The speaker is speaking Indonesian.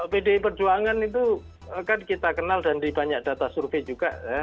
pdi perjuangan itu kan kita kenal dan di banyak data survei juga ya